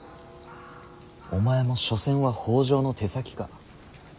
お前も所詮は北条の手先か。